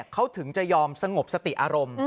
เขาถึงจะยอมสงบสติอารมณ์